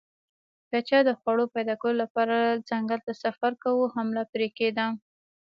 که چا د خوړو پیدا کولو لپاره ځنګل ته سفر کاوه حمله پرې کېده